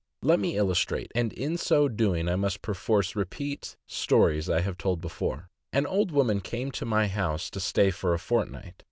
Let me illus trate — and in so doing I must perforce repeat stories I have told before. An old woman came to my house to stay for a fortnight.